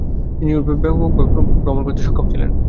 তিনি ইউরোপে ব্যাপকভাবে ভ্রমণ করতে সক্ষম ছিলেন।